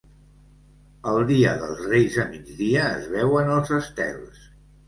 El dia dels Reis a migdia es veuen els estels.